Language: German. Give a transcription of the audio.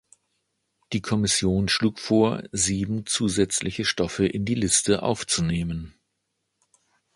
Die Kommission schlug vor, sieben zusätzliche Stoffe in die Liste aufzunehmen.